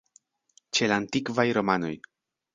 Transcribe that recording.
Ĉe la antikvaj romanoj.